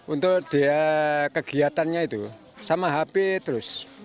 untuk dia kegiatannya itu sama hp terus